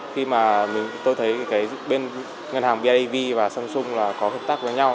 khi mà tôi thấy bên ngân hàng bidv và samsung có hợp tác với nhau